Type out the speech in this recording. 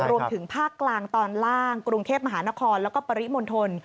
รวมถึงภาคกลางตอนล่างกรุงเทพมหานครแล้วก็ปริมณฑล